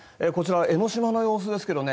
こちらは江の島の様子ですが。